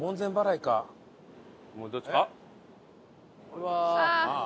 うわ。